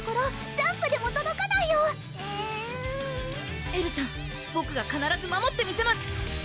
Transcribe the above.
ジャンプでもとどかないよえるぅエルちゃんボクがかならず守ってみせます